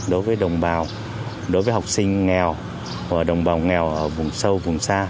đối với đồng bào đối với học sinh nghèo và đồng bào nghèo ở vùng sâu vùng xa